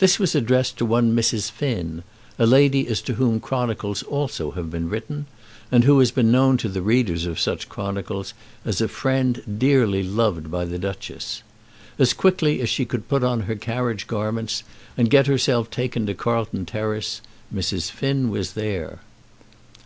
This was addressed to one Mrs. Finn, a lady as to whom chronicles also have been written, and who has been known to the readers of such chronicles as a friend dearly loved by the Duchess. As quickly as she could put on her carriage garments and get herself taken to Carlton Terrace, Mrs. Finn was there.